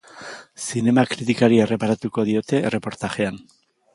Zinema kritikari erreparatuko diote erreportajean.